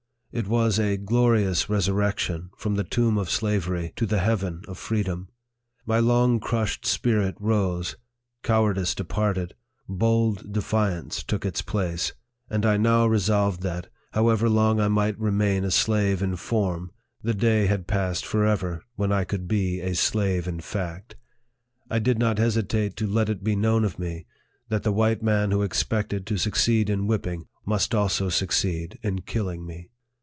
It was a glorious resurrection, from the tomb of slavery, to the heaven of freedom. My long crushed spirk rose, cowardice departed, bold defiance took its place ; and I now resolved that, how ever long I might remain a slave in lorm, the day had passed forever when I could be a slave in fact. I did not hesitate to let it be known of me, that the white man who expected to succeed in whipping, must also succeed in killing me.